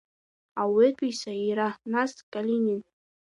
Ауаҩытәыҩса иира, нас Калинин.